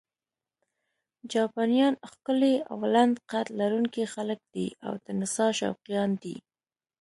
جاپانیان ښکلي او لنډ قد لرونکي خلک دي او د نڅا شوقیان دي.